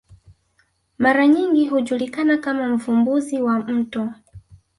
mara nyingi hujulikana kama mvumbuzi wa mto